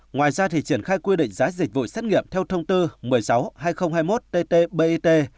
ngoài ra thì triển khai quy định giá dịch vụ xét nghiệm theo thông tư một mươi sáu hai nghìn hai mươi một tt bit